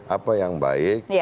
apa yang baik